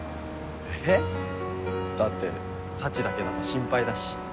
えぇ？だってサチだけだと心配だし。